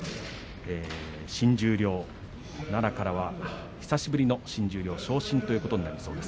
新十両、奈良からは久しぶりの新十両昇進ということになりそうです。